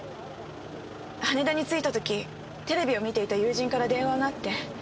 羽田に着いた時テレビを見ていた友人から電話があって。